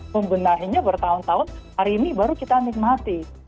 membenahinya bertahun tahun hari ini baru kita nikmati